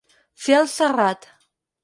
Fer el serrat.